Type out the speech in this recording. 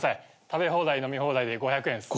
食べ放題飲み放題で５００円です。